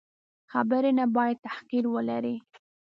خبرې نه باید تحقیر ولري.